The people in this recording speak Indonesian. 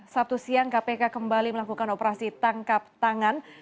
sabtu siang kpk kembali melakukan operasi tangkap tangan